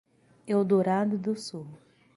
Eldorado do Sul